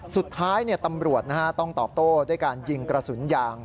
สุดท้ายตำรวจต้องตอบโต้ด้วยการยิงกระสุนยาง